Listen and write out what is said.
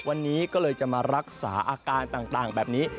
วันนี้ก็เลยจะมารักษาอาการต่างแบบนี้